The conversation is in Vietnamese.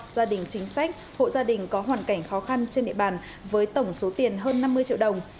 gia đình chính sách hộ gia đình có hoàn cảnh khó khăn trên địa bàn với tổng số tiền hơn năm mươi triệu đồng